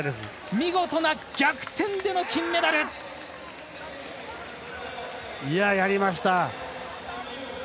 見事な逆転での金メダル。やりました。